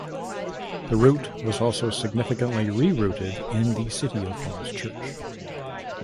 The route was also significantly rerouted in the city of Falls Church.